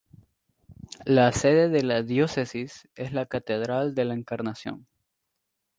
La sede de la Diócesis es la Catedral de la Encarnación.